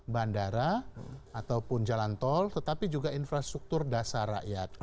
bandara ataupun jalan tol tetapi juga infrastruktur dasar rakyat